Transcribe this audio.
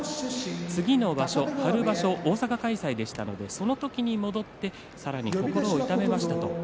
次の場所、春場所大阪開催でしたのでその時に戻ってさらに心を痛めましたと。